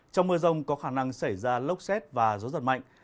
trong mưa rông có khả năng xảy ra lốc xét và gió giật mạnh